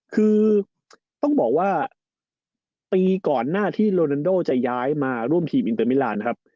คือต้องบอกว่าปีก่อนหน้าที่โรนันโดจะย้ายมาร่วมทีมอินเตอร์มิลานครับ